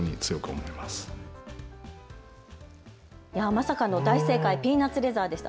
まさかの大正解、ピーナツレザーでした。